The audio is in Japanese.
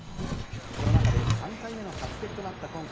コロナ禍で３回目の初競りとなった今回。